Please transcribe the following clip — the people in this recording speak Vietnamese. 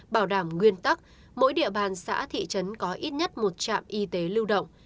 bảo đảm nguyên tắc mỗi địa bàn xã thị trấn có ít nhất một trạm y tế lưu động